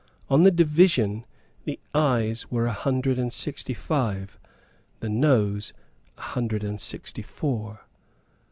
On the division the Ayes were a hundred and sixty five, the Noes a hundred and sixty four.